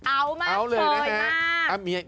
เอามากเลยนะครับ